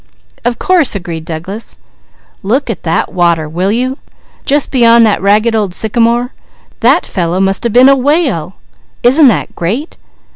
"Of course!" agreed Douglas. "Look at that water, will you? Just beyond that ragged old sycamore! That fellow must have been a whale. Isn't this great?"